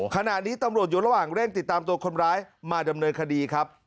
ขณะนี้ตำรวจอยู่ระหว่างเร่งติดตามตัวคนร้ายมาดำเนินคดีครับ